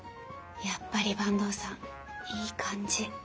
やっぱり坂東さんいい感じ。